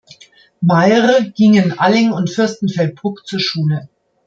Mayr ging in Alling und Fürstenfeldbruck zur Schule.